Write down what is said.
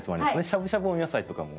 しゃぶしゃぶ温野菜とかも。